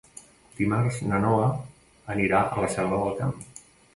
Dimarts na Noa anirà a la Selva del Camp.